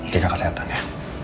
kekak kesehatan ya